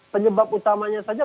penyebab utamanya saja